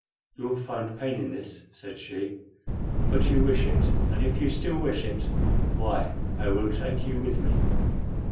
"You will find pain in this," said she; "but you wish it, and if you still wish it, why, I will take you with me."